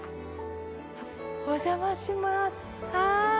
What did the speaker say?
お邪魔します。